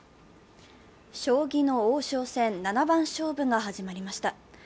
将棋の王将戦七番勝負が始まりました。